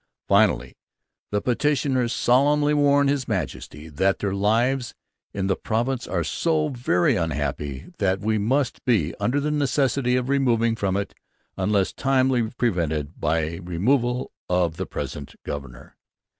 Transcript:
Finally, the petitioners solemnly warn His Majesty that their 'Lives in the Province are so very unhappy that we must be under the Necessity of removing from it, unless timely prevented by a Removal of the present Governor.'